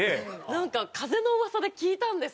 なんか風の噂で聞いたんですよ。